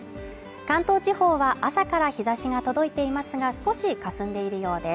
関東地方は朝から日差しが届いていますが少しかすんでいるようです。